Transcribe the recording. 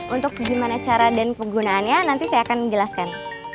untuk gimana cara dan penggunaannya nanti saya akan menjelaskan